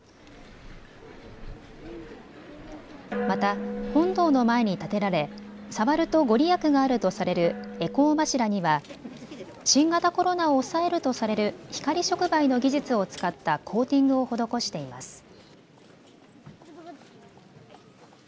また本堂の前に建てられ触ると御利益があるとされる回向柱には新型コロナを抑えるとされる光触媒の技術を使ったコーティングを施しています。